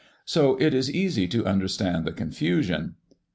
So it is easy to understand the confusion.